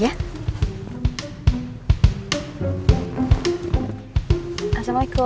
iya mas aku berangkat kerja dulu ya